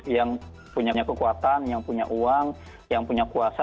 yang punya kekuatan yang punya uang yang punya kuasa